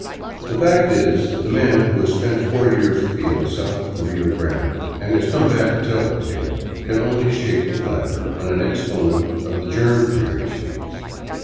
The fact is that the man who has spent four years afield south of the Rio Grande, and has come back to tell the tale, can only shake with laughter when an exponent of the " germ theory " speaks.